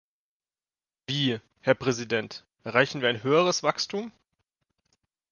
Wie, Herr Präsident, erreichen wir ein höheres Wachstum?